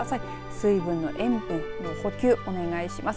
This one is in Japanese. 水分の塩分の補給お願いします。